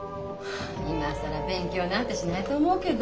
今更勉強なんてしないと思うけど？